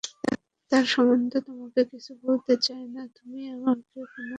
তাঁর সম্বন্ধে তোমাকে কিছু বলতে চাই, তুমি আমাকে কোনো কথা লুকিয়ো না।